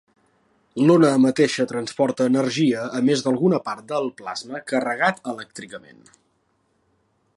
L'ona mateixa transporta energia a més d'alguna part del plasma carregat elèctricament.